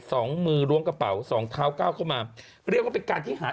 สองมือล้วงกระเป๋าสองเท้าเก้าเข้ามาเรียกว่าเป็นการที่หา